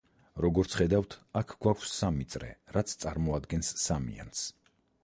როგორც ხედავთ, აქ გვაქვს სამი წრე, რაც წარმოადგენს სამიანს.